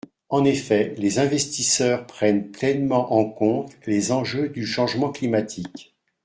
En effet, les investisseurs prennent pleinement en compte les enjeux du changement climatique.